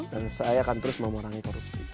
dan saya akan terus mengurangi korupsi